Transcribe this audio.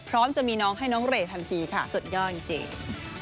จะมีน้องให้น้องเรย์ทันทีค่ะสุดยอดจริง